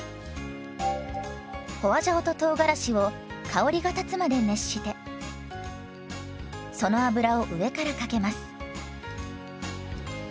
花椒ととうがらしを香りが立つまで熱してその油を上からかけます。